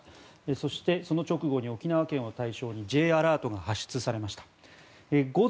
そして、その直後に沖縄県を対象にＪアラートが発出されました。